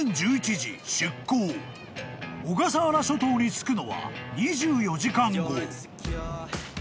［小笠原諸島に着くのは２４時間後］